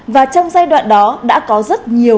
và trong giai đoạn đó đã có rất nhiều